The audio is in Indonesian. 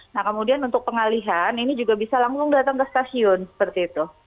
nah kemudian untuk pengalihan ini juga bisa langsung datang ke stasiun seperti itu